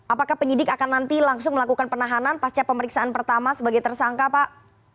apakah penyidik akan nanti langsung melakukan penahanan pasca pemeriksaan pertama sebagai tersangka pak